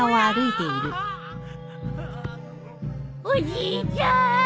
おじいちゃん！